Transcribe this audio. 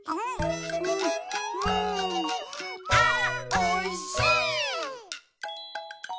あおいしい！